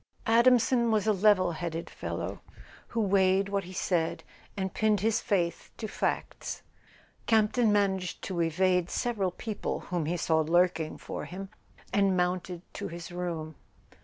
Adamson was a level¬ headed fellow, who weighed what he said and pinned his faith to facts. Campton managed to evade several people whom he saw lurking for him, and mounted to his room.